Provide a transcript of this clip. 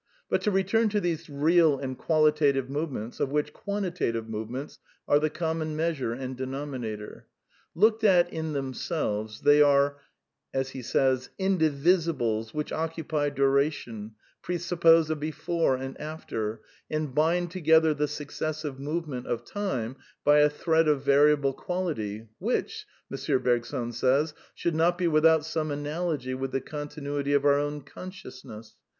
But to return to these real and qualitative movements of which quantitative movements are the common measure and denominator. Looked at in themselves {envisages en eux memes) they are '^indivisibles which occui^y duration, presuppose a before and after, and bind together the successive moments of time by a thread of variable quality, which," M. Bergson says, '^ should not be without some analogy with the continuity of our own con sciousness.